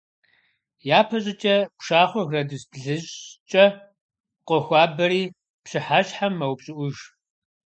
Япэщӏыкӏэ пшахъуэр градус блыщӏкӏэ къохуабэри, пщыхьэщхьэм мэупщӏыӏуж.